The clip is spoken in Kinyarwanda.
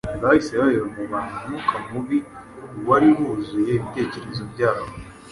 bahise babiba mu bantu umwuka mubi wari wuzuye ibitekerezo byabo.